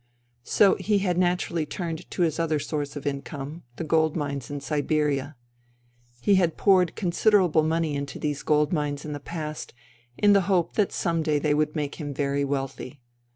So he had naturally turned to his other source of income —• the gold mines in Siberia. He had poured con siderable money into these gold mines in the past, in the hope that some day they would make him very wealthy.